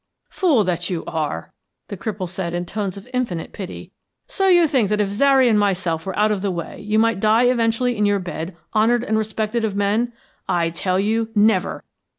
"Fool that you are!" the cripple said in tones of infinite pity. "So you think that if Zary and myself were out of the way you might die eventually in your bed honored and respected of men? I tell you, never!